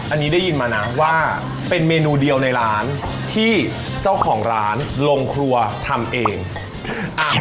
อันนี้ได้ยินมานะว่าเป็นเมนูเดียวในร้านที่เจ้าของร้านลงครัวทำเองอ่า